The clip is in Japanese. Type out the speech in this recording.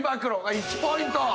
１ポイント。